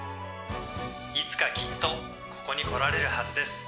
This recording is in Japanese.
いつかきっとここに来られるはずです」。